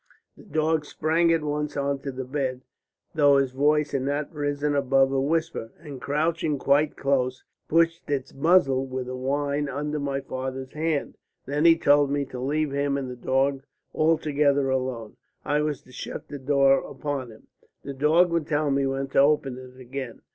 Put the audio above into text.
The dog sprang at once on to the bed, though his voice had not risen above a whisper, and crouching quite close, pushed its muzzle with a whine under my father's hand. Then he told me to leave him and the dog altogether alone. I was to shut the door upon him. The dog would tell me when to open it again.